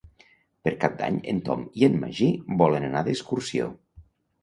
Per Cap d'Any en Tom i en Magí volen anar d'excursió.